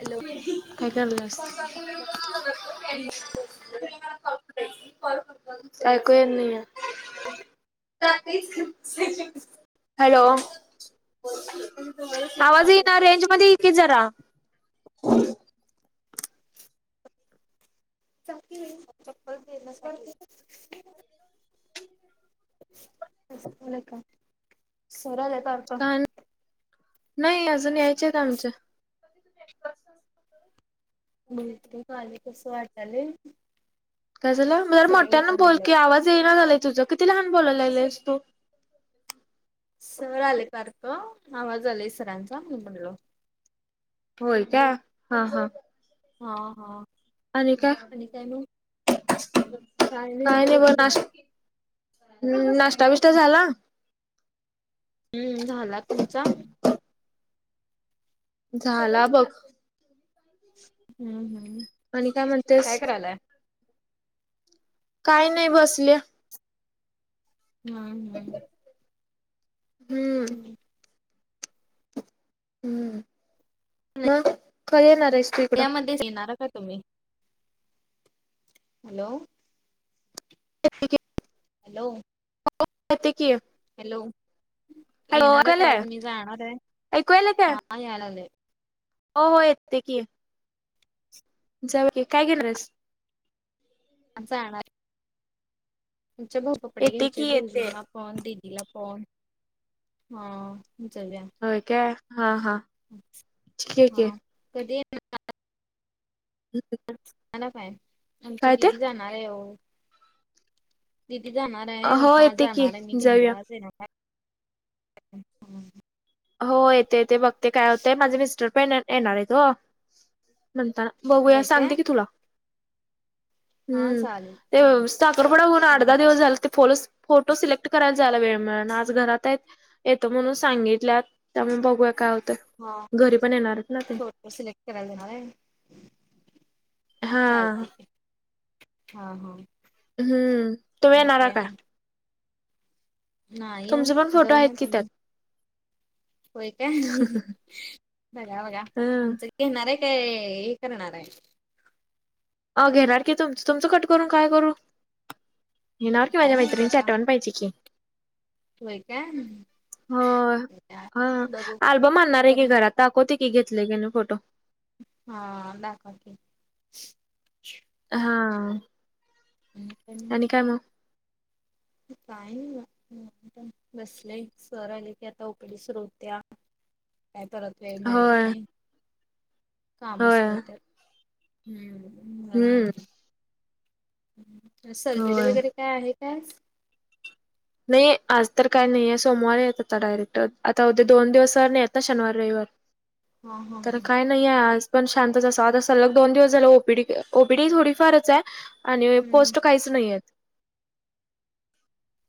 Hello काय चाललं. ऐकू येत नाही [unintelligible] हॅलो, चप्पल आवाज इना रेंज मध्ये इ की जरा. चप्पल [unintelligible] म सरळ येतात. का नाही अजून यायचेत आमच्या. बलते माझ कस वाटले [unintelligible] काय झालं जर मोठ्यांना बोल गेले की आवाज येई ना झालाय तुझं किती लहान बोलायला लागलयस तू. सर आले कार का आवाज आलाय सरांचा मी म्हणलो. होय का हा हा. हा हा. आणि काय आणि का मग कार नाही वाले. [unintelligible] हम्म नाश्ता बिष्टा झाला. हम्म झाला तुमचा. झाला बघ. हम्म हम्म आणि काय काय म्हणतेस. करायलाय काही नाही बसले. हा हम्म हम्म. हम्म मग खर येणार आहेस. तू इकडं? त्यामध्येच येणार का तुम्ही. हॅलो हॅलो क [unintelligible] हॅलो येणार आहे काय यायलय आज मी जाणार आहे ऐकू यायलय काय? हा यायलागले. हो हो येते की. जाऊ काय गेलस. आमचा जाणार तूमचे भाऊ कपडे येते घ्याचे की मोजून येते. मापू फोन दिदीला फोन हा तूमचा द्या. व्हय काय हा हा. ठीक आहे की हा कधी ह [inaudible] ना काय आमची दिदी जाणार आहे हो. दिदी जाणार आहे हो म येते की जाणार आहे मी जाऊया. घ्यायला आज आहे. हो येतेेते बघते काय होतेय माझे मिस्टर पण येणार आहेत हो. म्हणताना बघूया होय काय सांगते की तुला. हा हम्म चालेल ते चांगल साखरपुडा होऊन काय अर्धा दिवस झाला ते फोलच फोटो सिलेक्ट करायला जायला वेळ मिळणा आज घरात आहेत येतं म्हणून सांगितल्या. त्यामुळे बघूया काय होतं. हा घरी पण येणार आहेत ना ते फोटो सलक्ट कर देणार. हा चालते हा हा. हम्म तुम्ही आणि येणारा काय. ह येऊ तुमचे पण फोटो आहेत जाऊन की पण. त्यात होय का बघा बघा ह आमचं. घेणार आहे काय हे करणार आहे. अ घेणारारखी तुम तुमचं कट करून काय करू. येणार की काय माझ्या माहिती मैत्रिणीची आता आठवण पाहिजे की. होय काय ह हा बघू बघू आल्बम आणणार आहे की करून घरात. दाखवते की घेतलेय की नाही फोटो. हा दाखवकी. हा [unintelligible] आणि काय म काय नाई म [unintelligible] बसलेय सर आले की आता ओ पी डी सुरू होतीया. काय करत तेन नाईत होय नी काम होय सुरू होत्यात हम्म [unintelligible] सर्जरी होय वगैरे काय आहे काय? नाही आज तर काय नाहीये सोमवारी येत आता डायरेक्ट आता उद्या दोन दिवसन आता शनिवार रईवार हा हा तर हा काय नाहीे आज पण शांतच असावं आता सलग दोन दिवस झाला O P D O P D थोडीफारचे आणि हम्म पोस्ट काहीच नाहीयेत.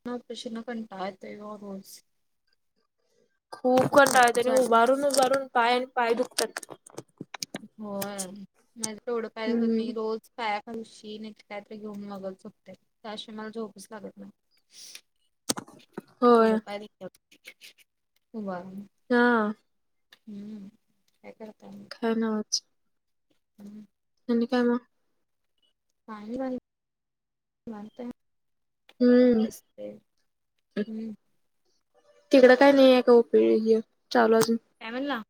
या ऑपेरेशन न कंटाळा येतोय ग रोज खूप कंटाळा नकोच येतोय आणि वाटतय उभारून उभारून पाय आणि पाय दुखत्यात. होय माझ तेवढं पाय दुखत्यात हम्म मी रोज कायाखाली उशी नाहीतर कायतरी घेऊन मगच झोपतोय त्याशिवाय मला झोपच लागत नाही. [inaudible] होय येवढ पाय दुखत्यात उभारून हा हम्म काय करता म काय न्हवच हम्म आणि काय मग [unintelligible] हम्म बसले हम्म तिकडं काय नाहीये का ओ पी डी हे चालू अजून काय म्हणला?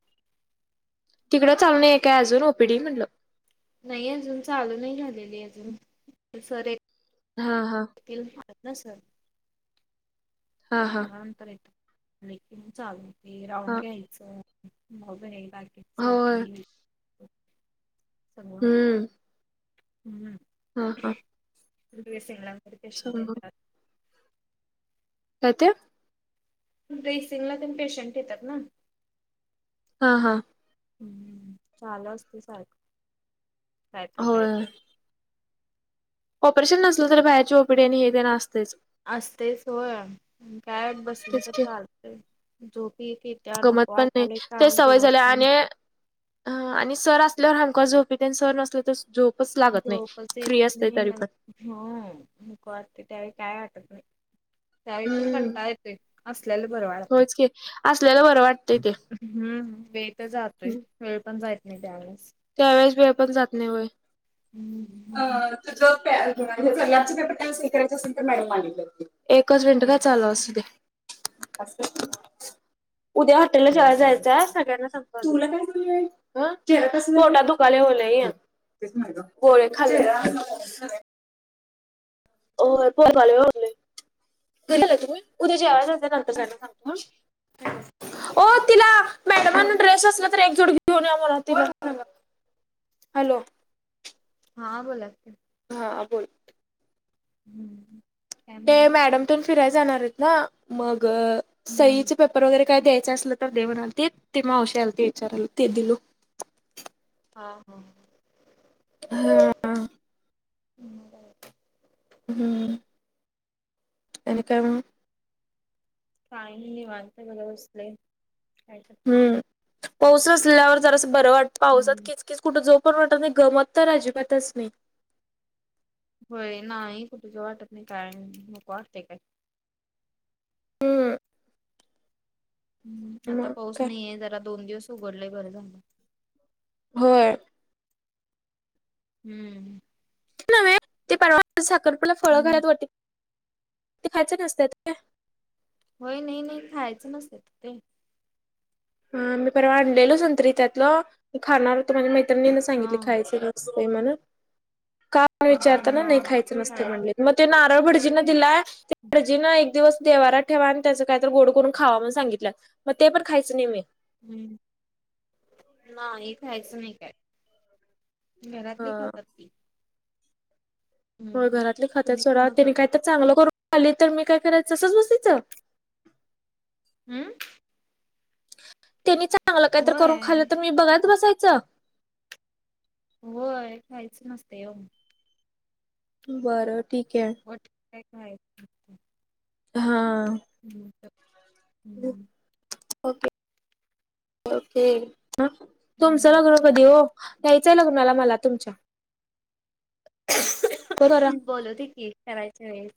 तिकडं चालू नाहीये काय अजून ओ पी डी म्हटलं. नाही अजून चालू नाही झालेली अजून पण सर हा हा [unintelligible] ना सर हा हा अकरा नंतर येत आले कि मग चालू होतय राऊंड हा घ्यायचं होय [unintelligible] [unintelligible] हम्म हम्म हा हा [unintelligible] पेशन्ट समज येतात. काय त्य ड्रेसिंगला तेन पेशंट येत्यात ना हा हा हम्म चालू असतय सारखं कायतरी कायत होय ऑपरेशन नसलं तरी बाहेरची ओ पी डी आणि हे तेन असतेच असतयच होय आण काय बसून तेच तर की चालतय झोप एक गमत पण नाही ते सवय झाल्या आणि ह आणि सर असल्यावर हमकास झोप येत्या आणि सर नसले तर झोपच लागत नाही फ्री असतय तरी पण होय नको वाटतय त्यावेळी काय वाटत नाही- त्यावेळी पण हम्म कंटाळ येतोय असल्याल बरं वाटतय. असल्याल बरं वाटतंय ते हम्म वेळ तर जातोय वेळ पण जाईत नाही त्यावेळेस त्यावेळेस वेळ पण जात नाही हो हम्म ह [inaudible] आजचा पेपर कॉन्सल करायचे असेल तर, मॅडम मानते एकच मिनट ह, चालू असूदे, उद्या त्याला चालेल शाळेत चालेल जायाचं सगळ्यांना सांग तुला काय झालंय बघ चेहरा कसा पोटात दुखायला हो लई गोळ खाल्या चेहरा कसा झालंय ओ पोहे पाय ओतले घरीचेना तुम्ही उद्या जेवायला जायचे नंतर चाना सांगतो ह. ह [inaudible] हो तिला, मॅडम म्हण ड्रेस नसला तर, एकजोट घेऊन या बर तीला. हॅलो. हा, बोला की. हा बोला. हम्म. काय ते म्हणला मॅडम तेन फिरायला जाणारेत ना, मग हम्म सईच पेपर वगैरे काय द्यायच असल तर दे म्हलती, ते मावशी आलती ते विचाराला, ते दिल. हा ह. हा [inaudible] हम्म, अनी काय म? काय नाही, मी निवांत बर बसले काय करते. हम्म पाऊस असल्यावर जरंस बरं वाटत, पावसात हम्म किचकीच कुठं जाऊ पण वाटत नाही, करमत तर अजिबातच नाही. होय, नाही कुठे जाऊ वाटत नाही, काय नाही, नको वाटते काय. हम्म हम्म, आता मग पाऊस काय नाहीये, जरा दोन दिवस उघडलाय, बरं झाल होय. हम्म. नय ते परवा साखरपुडात फळ हम्म. घलत ओटीत ते खायच नसतात काय? होय, नाही नाही खायचं नसतात ते. ह, मी परवा, आनलेल संतरी त्यातलं, खाणार होते, माझ्या मैत्रिणी न हा सांगितल खायची नाही. म्हण का विचारताना, नाही खायचं नसते खायच म्हणले. म ते नारळ भटजिना दिलाय. ते भटजीन एक दिवस देव्हारत ठेवा, आणि त्याच काहीतरी गोड करून खावा म्हणून सांगितलंय, मग ते पण खायच नही व्हय. हम्म, नाही खायचं नाही काय. घरातली हा खातात ती. हो हम्म घरातली खात्या, तुम्ही खाऊ सोडा नका त्याने काय त चांगलं करून खाली, तर मी काय करायचं, तसच बसायचं. अम्म. त्यांनी चांगलं काहीतरी करून खाल्लं, होय त मी बघत बसायचं. होय खायच नसतय ओ. बरं ठीके. वट काय खाय. अच्छा [inaudible] ह. ह् [unintelligible] ओके, ओके. ह तुमचं लग्न कधी हो, या्यचंय लग्नाला मला, तुमच्या. बरोबर बोलवते की करायच्या वेळेस,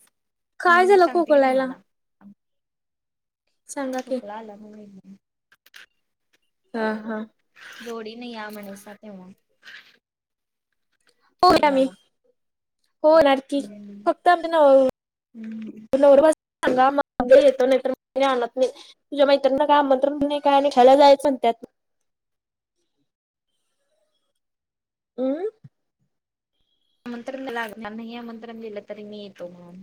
काय हम्म झालं सांगते की खोकलायला तुम्हाला. सांगा की खोकला आला [unintelligible] ह, ह. जोडी ने या, म्हणेस तेव्हा. हो येनार मी लग्नाला हो येणार. कि हम्म फक्त आमचे नव हम्म नवरबाच सांगा मग येतो नाही तर आणत नाही. तुझ्या मैत्रीनीला आमंत्रण नाही काय आणि खायला जायचं ना त्यात. अम्म. नंतर न लागणार नाहीये, आमंत्रम दील तरी मी येतो म्हणून.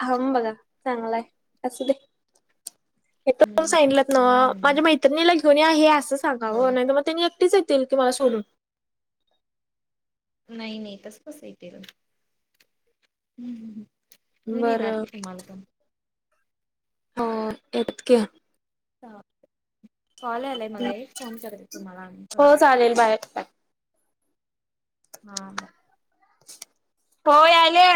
खाऊन बघा चांगला आहे. असू दे. हे तर हम्म सांगलंत ना? हम्म हम्म माझ्या मैत्रीण - त्यांनी ल घेऊन आहे हे असं हो सांगावं नाही तर मग त्यांनी एकटीच येतील की मला सोडून. नाही नाही तस कस येतील? हं. हं. हं नाही नेणार बरं मालग [unintelligible] हो. [unintelligible] कॉल आलाय मला एक. फोन करते तुम्हाला अजून हो परत. चालेल बाहेर [unintelligible] हा. हो. यायले.